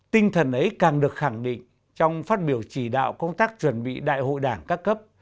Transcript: tinh thần ấy càng được khẳng định trong phát biểu chỉ đạo công tác chuẩn bị đại hội đảng các cấp